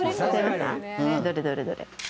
どれどれどれ。